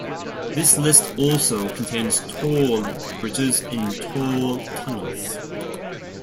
This list also contains toll bridges and toll tunnels.